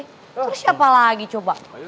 terus siapa lagi coba